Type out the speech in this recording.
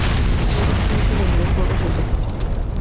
Le gustan mucho los videojuegos y el deporte.